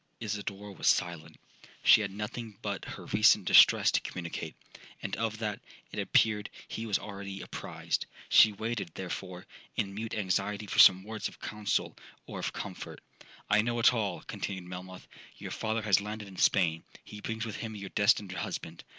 'Isidora was silent. She had nothing but her recent distress to communicate,—and of that, it appeared, he was already apprized. She waited, therefore, in mute anxiety for some words of counsel or of comfort. 'I know all!' continued Melmoth; 'your father has landed in Spain—he brings with him your destined husband.